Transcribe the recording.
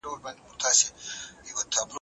که هوډ وي نو شاته تګ نه راځي.